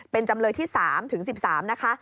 เป็นจำเลยที่๓ถึง๑๓นะคะ